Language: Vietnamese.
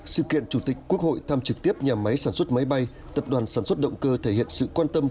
sự kiện chủ tịch quốc hội thăm trực tiếp nhà máy sản xuất máy bay tập đoàn sản xuất động cơ thể hiện sự quan tâm